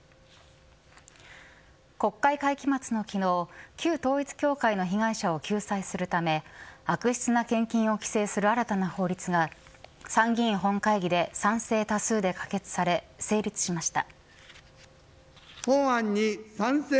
国会会期末の昨日旧統一教会の被害者を救済するため悪質な献金を規制する新たな法律が参議院本会議で賛成多数で可決され成立しました。